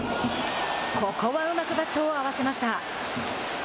ここはうまくバットを合わせました。